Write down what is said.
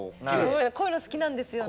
こういうの好きなんですよね